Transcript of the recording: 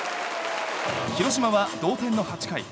広島は同点の８回。